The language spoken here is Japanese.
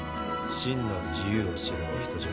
真の自由を知るお人じゃ。